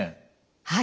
はい。